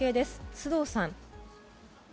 須藤さん。